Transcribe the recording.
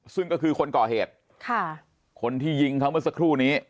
ซึ่งก็คือคนก่อเหตุคนที่ยิงเขาเมื่อสักครู่นี้